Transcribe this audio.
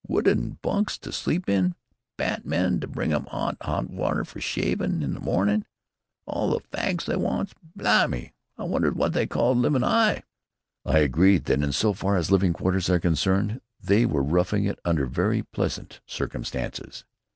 Wooden bunks to sleep in, batmen to bring 'em 'ot water fer shavin' in the mornin', all the fags they wants, Blimy, I wonder wot they calls livin' 'igh?" I agreed that in so far as living quarters are concerned, they were roughing it under very pleasant circumstances.